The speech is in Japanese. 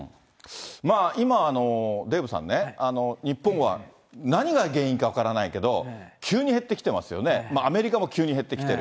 まあ、今、デーブさんね、日本は、何が原因か分からないけど、急に減ってきてますよね。アメリカも急に減ってきてる。